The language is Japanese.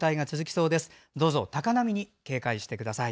どうぞ、高波に警戒してください。